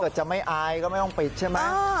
ถ้าจะไม่อายก็ไม่ต้องปิดใช่มั้ย